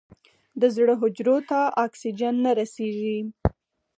د زړه حجرو ته اکسیجن نه رسېږي.